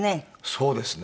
そうですね。